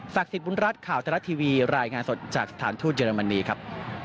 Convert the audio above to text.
สิทธิบุญรัฐข่าวทรัฐทีวีรายงานสดจากสถานทูตเยอรมนีครับ